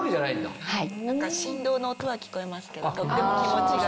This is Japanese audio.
振動の音は聞こえますけどとっても。